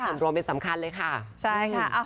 ส่วนรวมเป็นสำคัญเลยค่ะใช่ค่ะ